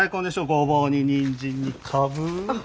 ごぼうににんじんにかぶ。